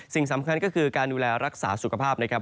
สิ่งสำคัญก็คือการดูแลรักษาสุขภาพนะครับ